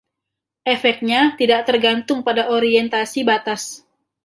Efeknya tidak tergantung pada orientasi batas.